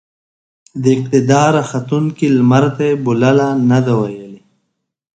د اقتدار راختونکي لمرته يې بولـله نه ده ويلې.